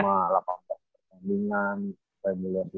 cuma latihan pertandingan pebela pebela